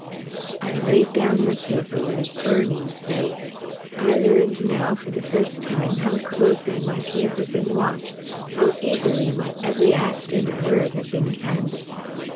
I laid down the paper with a burning face. I learned now, for the first time, how closely my case had been watched, how eagerly my every act and word had been canvassed.